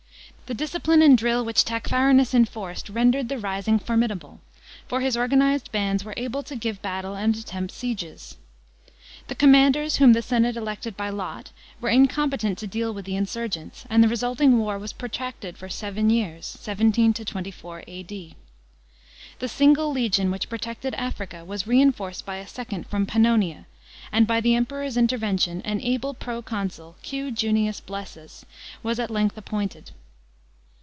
The discipline and drill which Tacfarinas enforced rendered the rising formidable; for his organized bands were able to give battle and attempt sieges. The commanders, whom the senate elected by lot, were incompetent to deal with the insurgents, and the resulting war was protracted for seven years (17 24 A.D.). The single legion which protected Africa was reinforced by a second from Pannonia, and, by the Emperor's intervention, an able proconsul, Q. Junius Blse*us, was at length appointed.